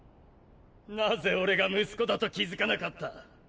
なぜ俺が息子だと気づかなかった？